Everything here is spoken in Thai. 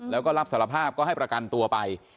แล้วก็รับสารภาพก็ให้ประกันตัวไป